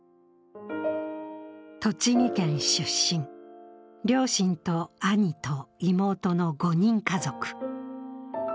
栃木県出身、両親と兄と妹の５人家族。